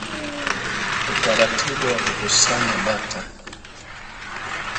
Utaratibu wa Kukusanya Data